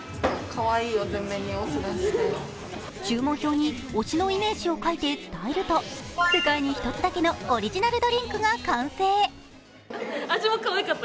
注文票に推しのイメージを書いて伝えると世界に一つだけのオリジナルドリンクが完成。